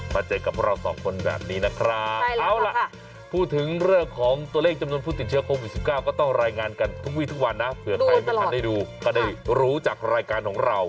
เจอกับพวกเราสองคนแบบนี้นะครับเอาล่ะพูดถึงเรื่องของตัวเลขจำนวนผู้ติดเชื้อโควิด๑๙ก็ต้องรายงานกันทุกวีทุกวันนะเผื่อใครไม่ทันได้ดูก็ได้รู้จากรายการของเรา